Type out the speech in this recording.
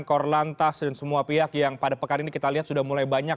korlantas dan semua pihak yang pada pekan ini kita lihat sudah mulai banyak